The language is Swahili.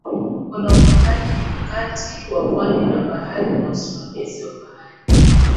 Kuna upangaji mkakati wa pwani na bahari na usimamizi wa bahari